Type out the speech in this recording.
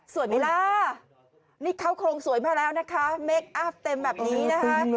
ไหมล่ะนี่เขาโครงสวยมาแล้วนะคะเมคอัพเต็มแบบนี้นะคะ